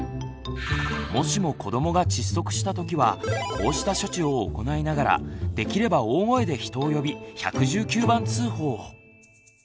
もしも子どもが窒息した時はこうした処置を行いながらできれば大声で人を呼び１１９番通報を！